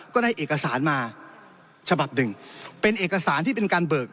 ก็ได้เอกสารมาฉบับหนึ่งเป็นเอกสารที่เป็นการเบิก